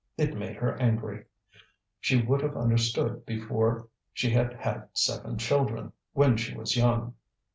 It made her angry; she would have understood before she had had seven children, when she was young.